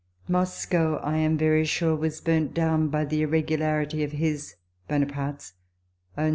Moscow, I am very sure, was burnt down by the irregularity of his [Buonaparte's] own soldiers.